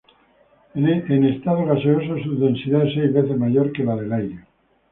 En estado gaseoso su densidad es seis veces mayor que la del aire.